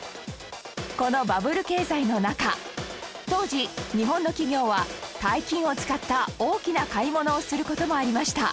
このバブル経済の中当時日本の企業は大金を使った大きな買い物をする事もありました